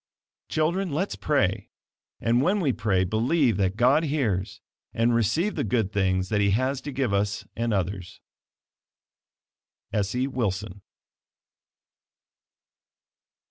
Children, let's pray; and when we pray, believe that God hears, and receive the good things that he has to give us and others. Essie Wilson.